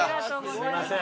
すみません。